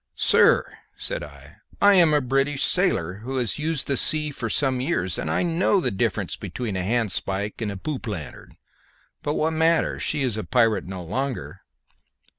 "Sir," said I, "I am a British sailor who has used the sea for some years, and know the difference between a handspike and a poop lanthorn. But what matters? She is a pirate no longer."